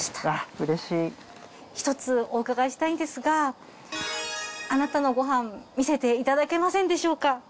１つお伺いしたいんですがあなたのご飯見せていただけませんでしょうか。